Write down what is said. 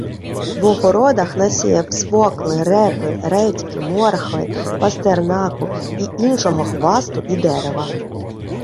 В огородах насєяв свокли, репи, редьки, морхви, пастернаку і іншого хвасту і дерева.